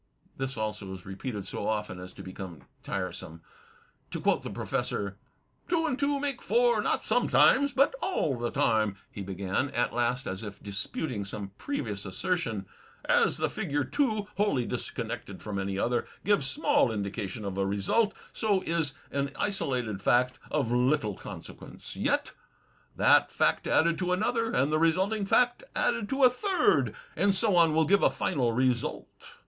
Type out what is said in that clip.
This also is repeated so often as to become tiresome. To quote the Professor: "Two and two make four, not sometimes^ but aU the time," he began, at last as if disputing some previous assertion. "As the figure two, wholly disconnected from any other, gives small indica tion of a result, so is an isolated fact of little consequence. Yet that fact added to another, and the resulting fact added to a third, and so on, will give a final result.